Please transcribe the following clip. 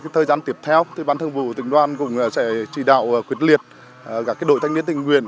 thời gian tiếp theo thì bán thương bộ tỉnh đoan cũng sẽ chỉ đạo quyết liệt cả đội thanh niên tình nguyện